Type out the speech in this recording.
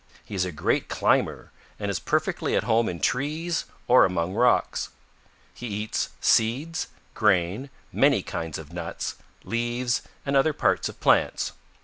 He is a great climber and is perfectly at home in trees or among rocks. He eats seeds, grain, many kinds of nuts, leaves and other parts of plants.